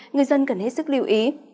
người dân cần hết sức lưu ý